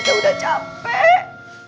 mami udah capek